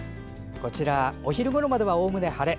お昼ごろまではおおむね晴れ。